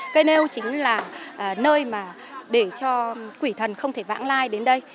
cây nêu chính là nơi mà để cho quỷ thần không thể vãng lai đến đây